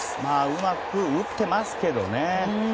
うまく打っていますけどね。